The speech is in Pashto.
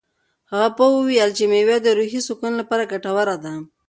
هغه پوه وویل چې مېوه د روحي سکون لپاره ګټوره ده.